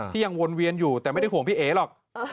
ยังวนเวียนอยู่แต่ไม่ได้ห่วงพี่เอ๋หรอก